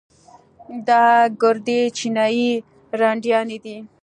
دا ګردې چينايي رنډيانې دي.